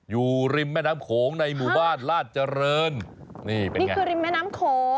อยู่ริมแม่น้ำโขงในหมู่บ้านราชเจริญนี่เป็นนี่คือริมแม่น้ำโขง